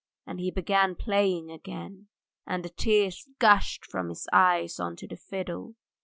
And he began playing again, and the tears gushed from his eyes on to the fiddle.